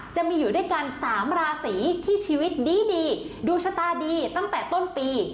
จะมีอยู่ด้วยกัน๓ราศีที่ชีวิตดีดวงชะตาดีตั้งแต่ต้นปี